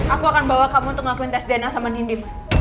aku akan bawa kamu untuk ngelakuin tes dna sama nindi